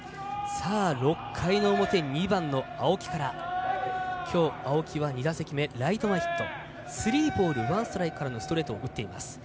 ６回の表、２番の青木からきょうは青木は２打席目ライト前ヒットスリーボールワンストライクからストレートを打っています。